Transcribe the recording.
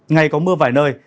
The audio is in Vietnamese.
ngày có mưa vài nơi